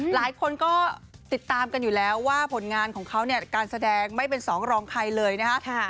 หลายคนก็ติดตามกันอยู่แล้วว่าผลงานของเขาเนี่ยการแสดงไม่เป็นสองรองใครเลยนะคะ